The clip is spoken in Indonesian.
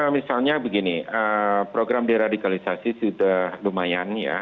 misalnya begini program deradikalisasi sudah lumayan ya